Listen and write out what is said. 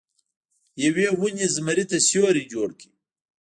یوې ونې زمري ته سیوری جوړ کړ.